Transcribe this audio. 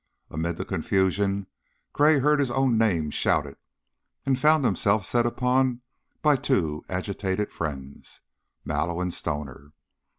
Amid the confusion Gray heard his own name shouted, and found himself set upon by two agitated friends, Mallow and Stoner.